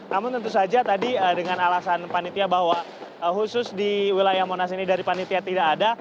namun tentu saja tadi dengan alasan panitia bahwa khusus di wilayah monas ini dari panitia tidak ada